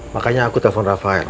makanya aku telepon rafael